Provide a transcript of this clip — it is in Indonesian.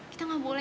kita gak boleh